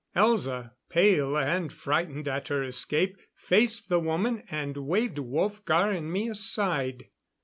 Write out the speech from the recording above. Elza, pale and frightened at her escape, faced the woman, and waved Wolfgar and me aside.